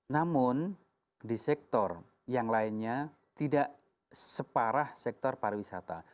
namun di sektor yang lainnya tidak separah sektor pariwisata